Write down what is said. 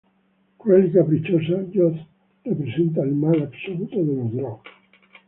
Cruel y caprichosa, Lloth representa el mal absoluto de los drow.